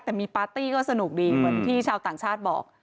แต่มีปาร์ตี้ก็สนุกดีเหมือนที่ชาวต่างชาติบอก